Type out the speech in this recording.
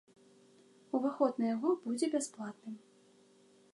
Уваход на яго будзе бясплатным.